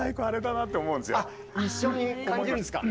あっ一緒に感じるんですか？